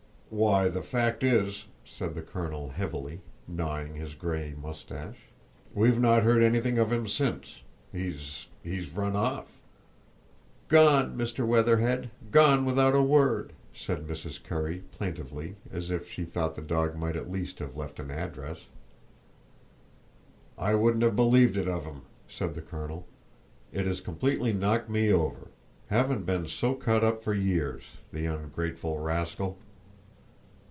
"Why, the fact is," said the colonel, heavily, gnawing his gray moustache, "we've not heard anything of him since; he's—he's run off!" "Gone, Mr. Weatherhead; gone without a word!" said Mrs. Currie, plaintively, as if she thought the dog might at least have left an address. "I wouldn't have believed it of him," said the colonel; "it has completely knocked me over. Haven't been so cut up for years—the ungrateful rascal!"